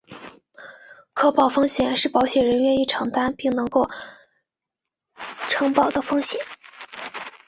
可保风险是保险人愿意承保并能够承保的风险。